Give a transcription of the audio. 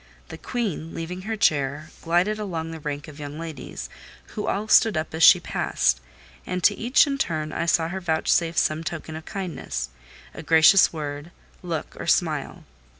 The Queen, leaving her chair, glided along the rank of young ladies, who all stood up as she passed; and to each in turn I saw her vouchsafe some token of kindness—a gracious word, look or smile.